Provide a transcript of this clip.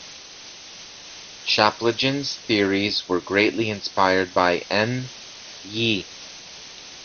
Chaplygin's theories were greatly inspired by N. Ye.